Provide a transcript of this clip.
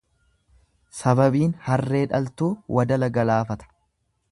Sababiin harree dhaltuu wadala galaafata.